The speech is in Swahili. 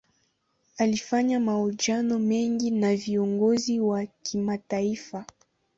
Alifanya mahojiano mengi na viongozi wa kimataifa.